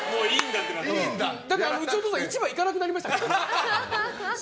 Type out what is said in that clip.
だから、うちのお父さん市場行かなくなりましたからね。